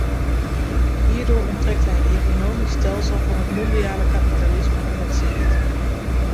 Hierdoor onttrekt hij het economisch stelsel van het mondiale kapitalisme aan het zicht.